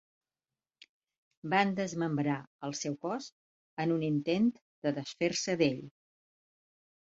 Van desmembrar el seu cos en un intent de desfer-se d'ell.